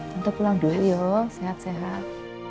tentu pulang dulu yuk sehat sehat